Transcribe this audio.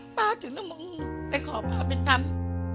ป้าจึงต้องไปขอป้าไปทำ